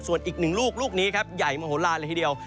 ส่วนอีกหนึ่งลูกลูกนี้ครับใหญ่มโหลานเลยทีเดียว